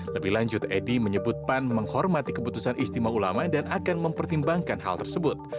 lebih lanjut edi menyebut pan menghormati keputusan istimewa ulama dan akan mempertimbangkan hal tersebut